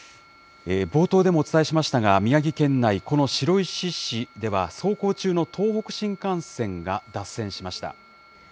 冒頭でもお伝えしましたが、宮城県内、この白石市では走行中の東北新幹線が脱線しました。